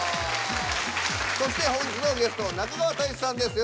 そして本日のゲストは中川大志さんです。